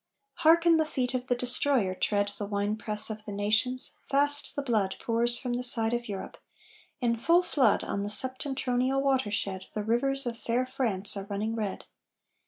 Hearken, the feet of the Destroyer tread The wine press of the nations; fast the blood Pours from the side of Europe; in full flood On the Septentrional watershed The rivers of fair France are running red!